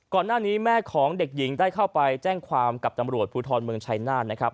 ก่อนหน้านี้แม่ของเด็กหญิงได้เข้าไปแจ้งความกับตำรวจภูทรเมืองชัยนาธนะครับ